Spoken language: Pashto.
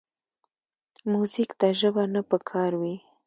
موزیک ته ژبه نه پکار وي.